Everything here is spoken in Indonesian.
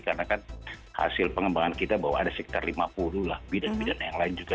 karena kan hasil pengembangan kita bahwa ada sekitar lima puluh bidang bidang yang lain juga